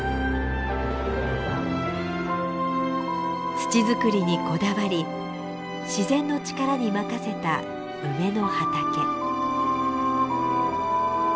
土づくりにこだわり自然の力に任せた梅の畑。